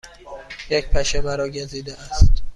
یک پشه مرا گزیده است.